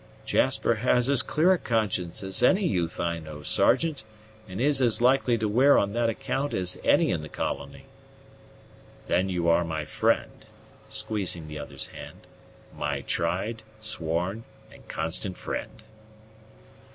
"Jasper has as clear a conscience as any youth I know, Sergeant, and is as likely to wear on that account as any in the colony." "Then you are my friend," squeezing the other's hand, "my tried, sworn, and constant friend."